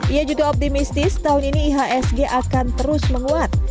ia juga optimistis tahun ini ihsg akan terus menguat